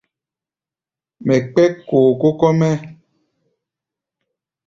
Mɛ kpɛ́k kookóo kɔ́-mɛ́.